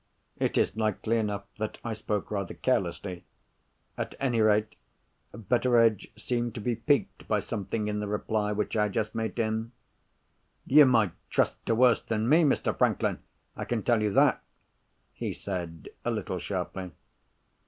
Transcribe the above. It is likely enough that I spoke rather carelessly. At any rate, Betteredge seemed to be piqued by something in the reply which I had just made to him. "You might trust to worse than me, Mr. Franklin—I can tell you that," he said a little sharply.